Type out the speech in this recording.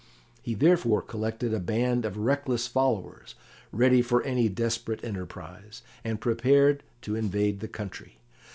He therefore collected a band of reckless followers, ready for any desperate enterprise, and prepared to invade the country.